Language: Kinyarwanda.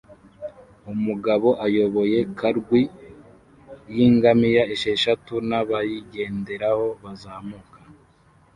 Umugabo ayoboye karwi yingamiya esheshatu nabayigenderaho bazamuka